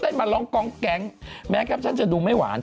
อ๋อเต้นมาร้องกองแก๊งแม้กลางเช่นจะดูไม่หวาน